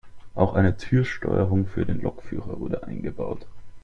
Auch eine Türsteuerung für den Lokführer wurde eingebaut.